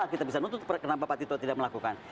kita bisa nutup kenapa pak tito tidak melakukan